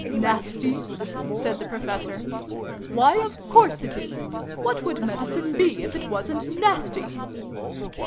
"Nasty?" said the Professor. "Why, of course it is ! What would Medicine be, if it wasn't nasty